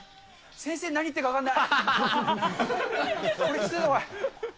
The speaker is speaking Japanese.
先生、何言ってるか分かんない。